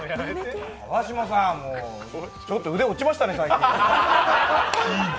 川島さん、ちょっと腕、落ちましたね、最近。